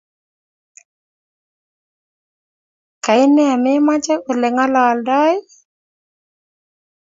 Kainee mechame olengalaldoi?